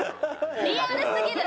リアルすぎる！